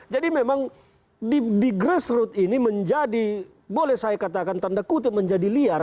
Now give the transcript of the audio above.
jadi memang di grassroot ini menjadi boleh saya katakan tanda kutip menjadi liar